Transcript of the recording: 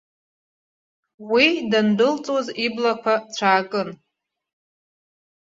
Уи дандәылҵуаз иблақәа цәаакын.